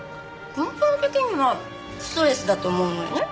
根本的にはストレスだと思うのよね。